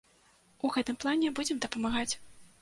У гэтым плане будзем дапамагаць.